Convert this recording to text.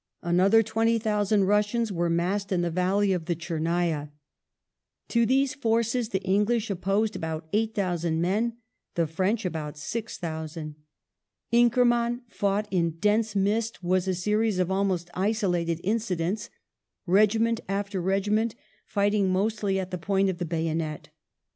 Another 20,000 Russians were massed in the valley of the Tchernaya. To these forces the English opposed about 8,000 men, the French about 6,000. Inkerman, fought in dense mist, was a series of almost isolated incidents ; regiment against regiment, fighting mostly at the point of the bayonet.